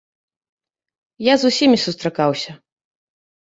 Я з усімі сустракаўся.